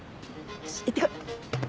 よしいってこい。